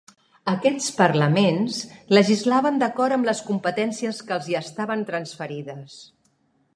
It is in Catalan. Aquests parlaments legislaven d'acord amb les competències que els hi estaven transferides.